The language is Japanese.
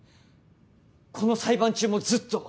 この裁判中もずっと。